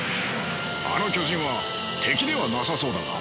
あの巨人は敵ではなさそうだが。